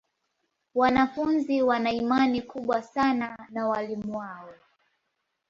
Wanafunzi wana imani kubwa sana na walimu wao.